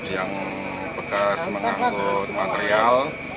yang bekas mengangkut material